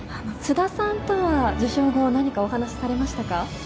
菅田さんとは受賞後、何かお話しされましたか？